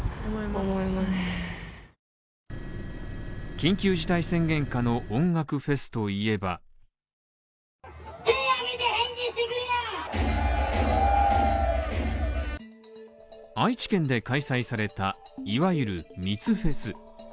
緊急事態宣言下の音楽フェスといえば愛知県で開催された、いわゆる密フェス。